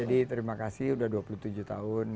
jadi terima kasih udah dua puluh tujuh tahun